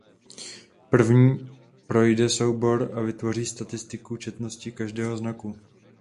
První projde soubor a vytvoří statistiku četností každého znaku.